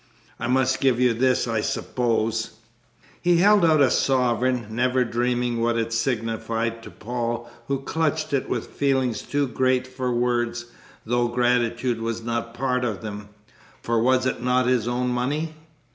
I must give you this, I suppose." And he held out a sovereign, never dreaming what it signified to Paul, who clutched it with feelings too great for words, though gratitude was not a part of them, for was it not his own money?